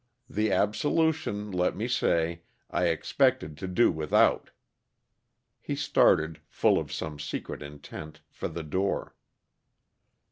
The absolution, let me say, I expected to do without." He started, full of some secret intent, for the door.